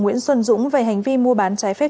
nguyễn xuân dũng về hành vi mua bán trái phép